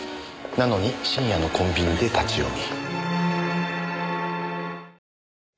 なのに深夜のコンビニで立ち読み。